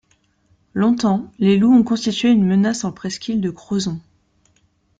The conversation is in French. Longtemps, les loups ont constitué une menace en presqu'île de Crozon.